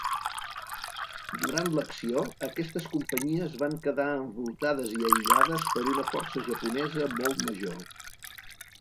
Durant l'acció, aquestes companyies van quedar envoltades i aïllades per una força japonesa molt major.